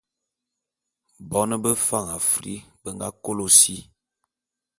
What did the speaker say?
Bon bé Fan Afri be nga kôlô si.